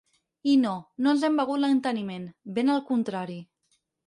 I no, no ens hem begut l’enteniment, ben al contrari.